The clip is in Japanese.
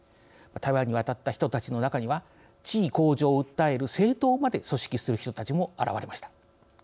台湾に渡った人たちの中には地位向上を訴える政党まで組織する人たちも現れました。